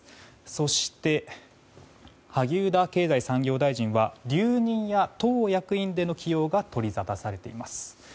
そして、萩生田経済産業大臣は留任や党役員での起用が取りざたされています。